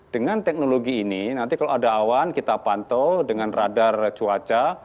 dengan teknologi ini nanti kalau ada awan kita pantau dengan radar cuaca